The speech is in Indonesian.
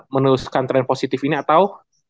meneruskan tren positif ini atau